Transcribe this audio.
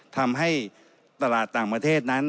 ทำให้ตลาดต่างประเทศนั้น